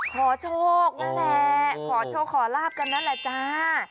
ขอโชคนั่นแหละขอโชคขอลาบกันนั่นแหละจ้า